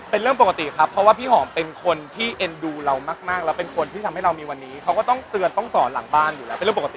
เป็นเรื่องปกติครับเพราะว่าพี่หอมเป็นคนที่เอ็นดูเรามากแล้วเป็นคนที่ทำให้เรามีวันนี้เขาก็ต้องเตือนต้องสอนหลังบ้านอยู่แล้วเป็นเรื่องปกติ